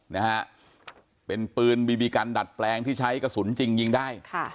นะฮะเป็นปืนบีบีกันดัดแปลงที่ใช้กระสุนจริงยิงได้ค่ะ